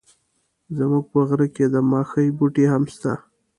زموږ په غره کي د ماخۍ بوټي هم سته.